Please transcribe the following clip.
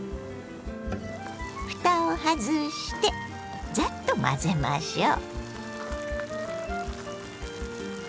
ふたを外してザッと混ぜましょう。